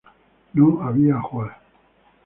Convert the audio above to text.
No había ajuar.